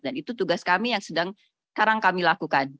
dan itu tugas kami yang sedang sekarang kami lakukan